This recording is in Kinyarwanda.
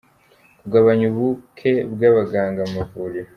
kugabanya ubuke bw’abaganga mu mavuriro.